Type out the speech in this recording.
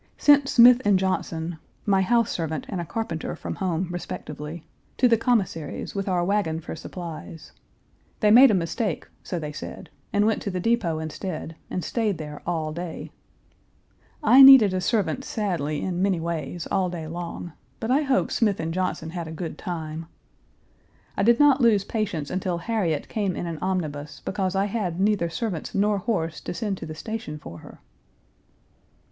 Sent Smith and Johnson (my house servant and a Page 318 carpenter from home, respectively) to the Commissary's with our wagon for supplies. They made a mistake, so they said, and went to the depot instead, and stayed there all day. I needed a servant sadly in many ways all day long, but I hope Smith and Johnson had a good time. I did not lose patience until Harriet came in an omnibus because I had neither servants nor horse to send to the station for her.